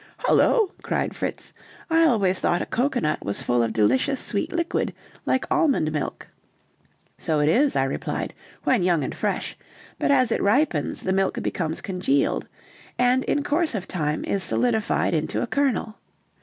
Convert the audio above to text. "Hullo," cried Fritz, "I always thought a cocoanut was full of delicious sweet liquid, like almond milk." "So it is," I replied, "when young and fresh, but as it ripens the milk becomes congealed, and in course of time is solidified into a kernel.